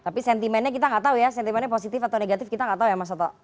tapi sentimennya kita nggak tahu ya sentimennya positif atau negatif kita nggak tahu ya mas soto